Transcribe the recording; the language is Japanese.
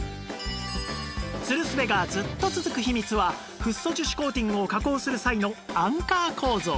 つるすべがずっと続く秘密はフッ素樹脂コーティングを加工する際のアンカー構造